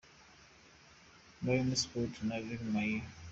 -: Rayon Sport vs Gor Mahia.